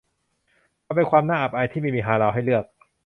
มันเป็นความน่าอับอายที่ไม่มีฮาลาลให้เลือก